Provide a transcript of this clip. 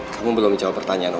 kamu belum jawab pertanyaannya